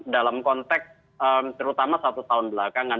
dalam konteks terutama satu tahun belakangan